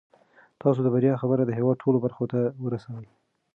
تاسو د بریا خبر د هیواد ټولو برخو ته ورسوئ.